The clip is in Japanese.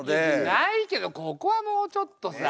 ないけどここはもうちょっとさあ。